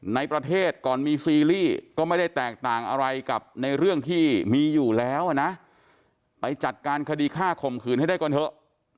ในประเทศก่อนมีซีรีส์ก็ไม่ได้แตกต่างอะไรกับในเรื่องที่มีอยู่แล้วนะไปจัดการคดีฆ่าข่มขืนให้ได้ก่อนเถอะ